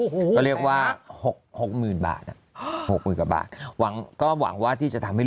ก็เรียกว่า๖๐๐๐๐บาท๖๐๐๐๐กว่าบาทหวังก็หวังว่าที่จะทำให้